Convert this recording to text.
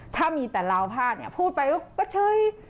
ถ้ามีแต่ลาวพลาดเนี่ยพูดไปก็เฉย